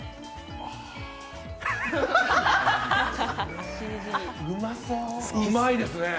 あうまいですね。